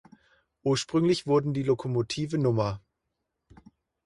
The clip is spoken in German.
Ursprünglich wurden die Lokomotive Nr.